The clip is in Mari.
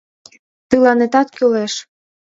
— Тыланетат кӱлеш.